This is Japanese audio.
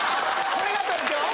・これが東京や！